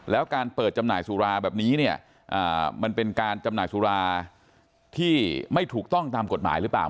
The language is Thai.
แล้วการเปิดจำหน่ายสุราแบบนี้เนี่ยมันเป็นการจำหน่ายสุราที่ไม่ถูกต้องตามกฎหมายหรือเปล่า